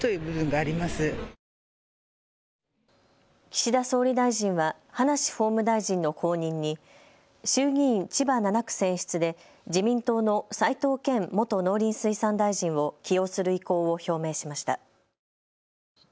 岸田総理大臣は葉梨法務大臣の後任に衆議院千葉７区選出で自民党の齋藤健元農林水産大臣を起用する意向を表明しました。